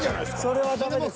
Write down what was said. それはダメです。